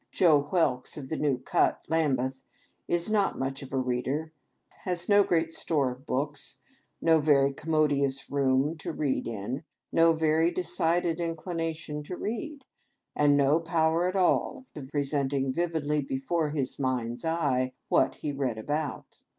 Joe Whelks, of the New Cut, Lambeth, is not much of a reader, has no great store of books, no very commodious room to read in, no very decided inclination to read, and no power at all of presenting vividly before his mind's eye what he reads about.